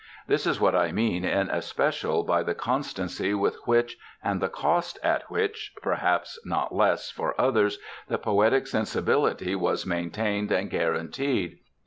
This is what I mean in especial by the constancy with which, and the cost at which, perhaps not less, for others, the poetic sensibility was maintained and guaranteed.